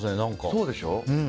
そうでしょ？